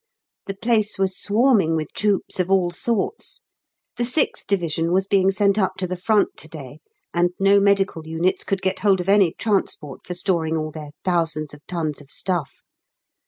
The place was swarming with troops of all sorts. The 6th Division was being sent up to the Front to day, and no medical units could get hold of any transport for storing all their thousands of tons of stuff.